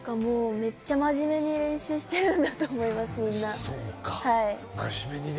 めっちゃ真面目に練習してるんだと思います、みんな。